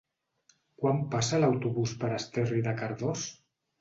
Quan passa l'autobús per Esterri de Cardós?